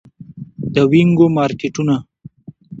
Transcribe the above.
د وینګو مارکیټونه